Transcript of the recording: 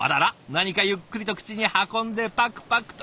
何かゆっくりと口に運んでパクパクと。